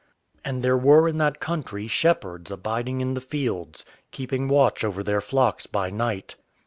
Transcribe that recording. And there were in that country shepherds abiding in the fields, keeping watch over their flocks by night.